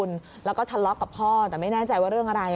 แล้วก็ทะเลาะกับพ่อแต่ไม่แน่ใจว่าเรื่องอะไร